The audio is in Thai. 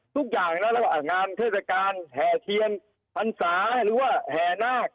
ทุกอย่างนะระหว่างงานเทศกาลแห่เทียนพรรษาหรือว่าแห่นาค